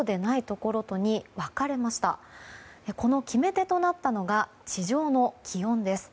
この決め手となったのが地上の気温です。